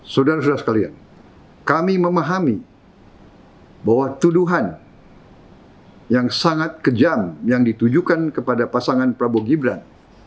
saudara saudara sekalian kami memahami bahwa tuduhan yang sangat kejam yang ditujukan kepada pasangan prabowo gibran